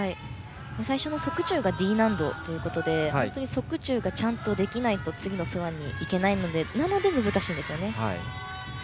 最初の側宙がＤ難度ということで本当に側宙がちゃんとできないと次のスワンにいけないので難しいんですよね。